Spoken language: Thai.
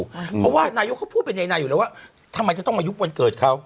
เพราะว่านายกเขาพูดเป็นในนาอยู่แล้วว่าทำไมจะต้องมายุบวันเกิดเขา